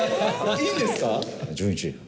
いいんですか？